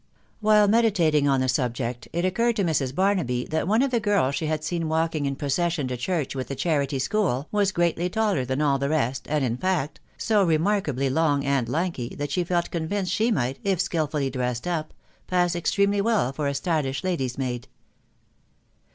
While meditating on the subject, it occurred to Mrs. Bar naby that one of the girls she had seen walking in procession to church with the charity school, was greatly taller than all the rest, and, in fact, so remarkably long and lanky, that shd felt convinced she might, if skilfully dressed up, pass extremely well for a stylish lady's maid.